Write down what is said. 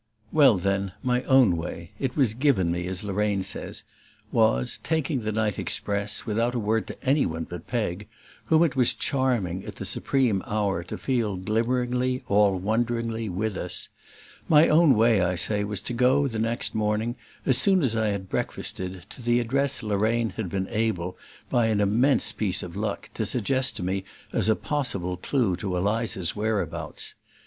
Well, then, my own way it was "given me," as Lorraine says was, taking the night express, without a word to any one but Peg, whom it was charming, at the supreme hour, to feel glimmeringly, all wonderingly, with us: my own way, I say, was to go, the next morning, as soon as I had breakfasted, to the address Lorraine had been able, by an immense piece of luck, to suggest to me as a possible clue to Eliza's whereabouts.